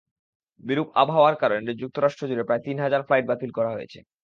বিরূপ আবহাওয়ার কারণে যুক্তরাষ্ট্রজুড়ে প্রায় তিন হাজার ফ্লাইট বাতিল করা হয়েছে।